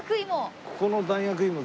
ここの大学芋